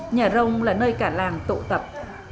nhà rông là nơi cả làng tộ tập